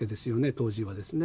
当時はですね。